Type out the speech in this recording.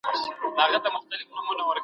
چارواکو به د دوستۍ پیغامونه رسولي وي.